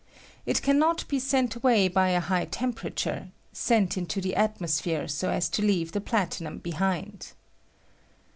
It can not be sent away by a high temperature — sent into the atmosphere so as to leave the platinum behind.